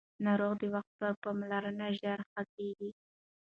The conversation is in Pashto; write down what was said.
ناروغ د وخت پر پاملرنې ژر ښه کېږي